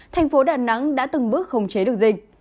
thành phố đà nẵng đã từng bước khống chế được dịch